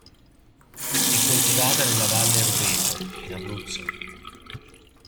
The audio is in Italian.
È coltivata nella valle Roveto, in Abruzzo.